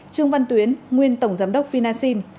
trương văn tuyến nguyên tổng giám đốc vinasin